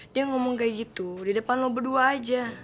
dia ngomong kayak gitu di depan lo berdua aja